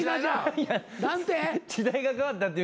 何て？